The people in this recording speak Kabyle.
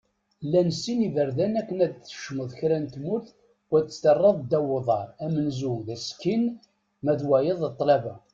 Llan sin iberdan akken ad tkecmeḍ kra n tmurt u ad tt-terreḍ ddaw uḍar : amenzu, d asekkin ; ma d wayeḍ, d ṭṭlaba.